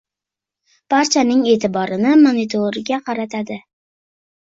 barchaning e’tiborini monitorga qaratadi.